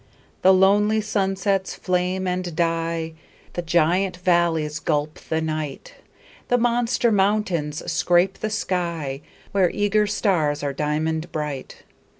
The lonely sunsets flame and die; The giant valleys gulp the night; The monster mountains scrape the sky, Where eager stars are diamond bright.